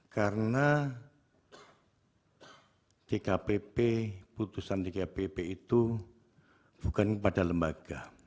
karena jkpp putusan jkpp itu bukan kepada lembaga